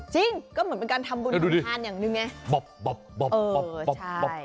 จริงก็เหมือนกันทำบุญของท่านอย่างนึงไง